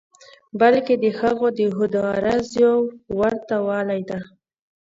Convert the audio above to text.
بلکې د هغوی د خود غرضیو ورته والی دی.